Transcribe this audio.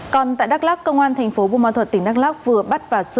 còn tại đắk lắk công an tp hcm tỉnh đắk lắk vừa bắt và xử